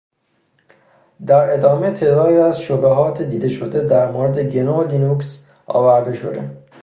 در ادامه تعدادی از شبهات دیده شده در مورد گنو و لینوکس آورده شده